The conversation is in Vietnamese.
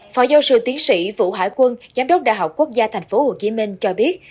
phó giáo sư tiến sĩ vũ hải quân giám đốc đại học quốc gia tp hcm cho biết